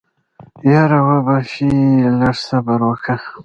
يره وبه شي لږ صبر وکه.